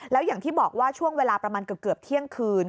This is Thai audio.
แล้วอย่างที่บอกว่าช่วงเวลาประมาณเกือบเที่ยงคืน